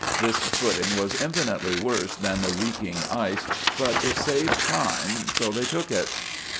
This footing was infinitely worse than the reeking ice, but it saved time, so they took it.